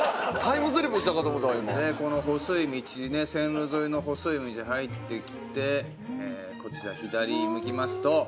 この細い道ね線路沿いの細い道に入ってきてこちら左向きますと。